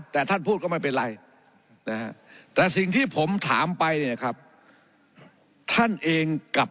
แต่ท่านพูดก็ไม่เป็นไรนะครับ